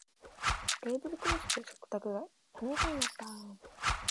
テーブルクロスで食卓が華やかになった